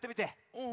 うん。